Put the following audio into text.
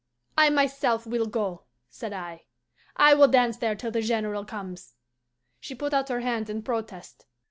'I myself will go,' said I; 'I will dance there till the General comes.' She put out her hand in protest.